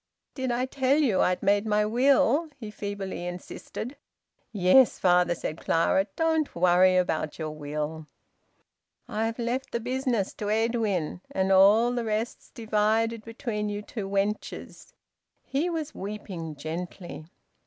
"Did I tell you I'd made my will?" he feebly insisted. "Yes, father," said Clara. "Don't worry about your will." "I've left th' business to Edwin, and all th' rest's divided between you two wenches." He was weeping gently.